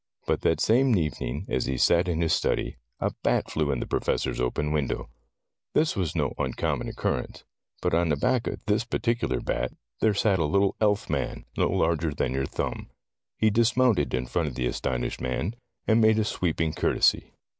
But that same evening as he sat in his study, a bat flew in the Professor's open window. This was no uncommon occur rence. But on the back of this particular bat there sat a little elfman, no larger than your thumb. He dismounted in front of the astonished man, and made a sweeping courtesy.